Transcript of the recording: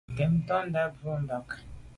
Nkeb ntôndà bwe mbà.